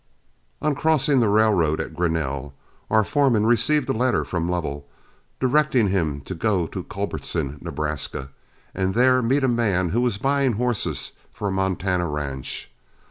On crossing the railroad at Grinnell, our foreman received a letter from Lovell, directing him to go to Culbertson, Nebraska, and there meet a man who was buying horses for a Montana ranch.